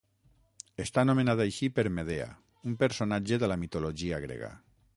Està nomenat així per Medea, un personatge de la mitologia grega.